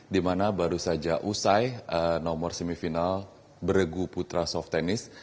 di mana baru saja usai nomor semifinal beregu putra soft tennis